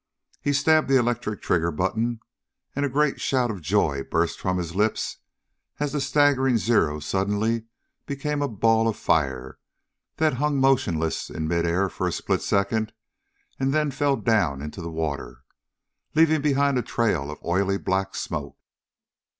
He stabbed the electric trigger button, and a great shout of joy burst from his lips as the staggering Zero suddenly became a ball of fire that hung motionless in midair for a split second and then fell down into the water, leaving behind a trail of oily black smoke.